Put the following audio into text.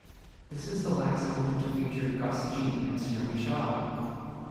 This is the last album to feature Gus G. and Snowy Shaw.